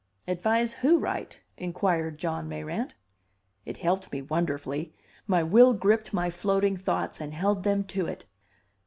"Advise who right?" inquired John Mayrant. It helped me wonderfully. My will gripped my floating thoughts and held them to it.